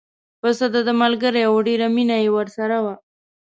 پسه دده ملګری و ډېره مینه یې ورسره وه.